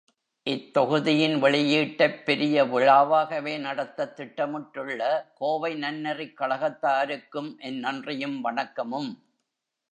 இத்தொகுதியின் வெளியீட்டைப் பெரிய விழாவாகவே நடத்தத் திட்டமிட்டுள்ள கோவை நன்னெறிக் கழகத்தாருக்கும் என் நன்றியும் வணக்கமும்.